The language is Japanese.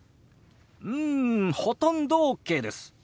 うんほとんどＯＫです。